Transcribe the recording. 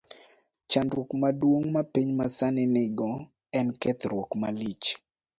Chandruok maduong ' ma piny masani nigo en kethruok malich.